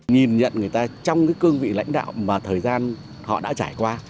nhìn nhận người ta trong cái cương vị lãnh đạo mà thời gian họ đã trải qua